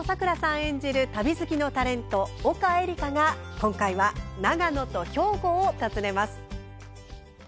演じる旅好きのタレント、丘えりかが今回は長野と兵庫を訪ねます。